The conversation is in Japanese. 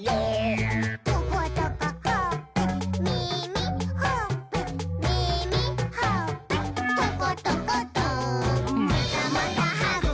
「トコトコほっぺ」「みみ」「ほっぺ」「みみ」「ほっぺ」「トコトコト」「またまたはぐき！はぐき！はぐき！